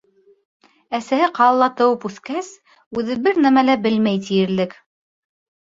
Әсәһе ҡалала тыуып үҫкәс, үҙе бер нәмә лә белмәй тиерлек.